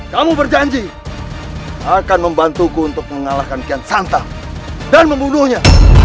kamu berjanji akan membantuku untuk mengalahkan kian santa dan membunuhnya